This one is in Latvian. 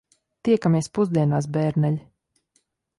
Tiekamies pusdienās, bērneļi.